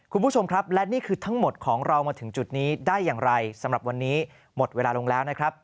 คุณผู้ชมครับและนี่คือทั้งหมดของเรามาถึงจุดนี้ได้อย่างไรสำหรับวันนี้หมดเวลาลงแล้วนะครับ